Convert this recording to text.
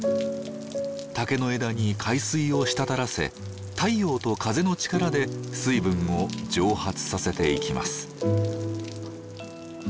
竹の枝に海水を滴らせ太陽と風の力で水分を蒸発させていきます。